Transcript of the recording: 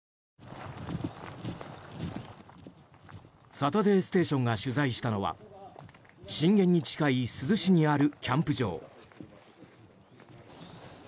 「サタデーステーション」が取材したのは震源に近い珠洲市にあるキャンプ場。